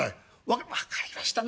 「分かりました。